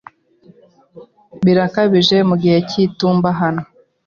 Birakabije mu gihe cy'itumba hano?